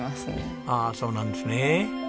ああそうなんですね。